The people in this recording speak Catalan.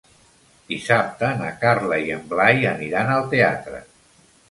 Dissabte na Carla i en Blai aniran al teatre.